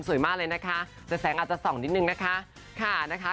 สวยมากเลยนะคะแต่แสงอาจจะส่องนิดนึงนะคะ